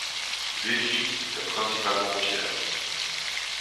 L'édifice est principalement en pierre.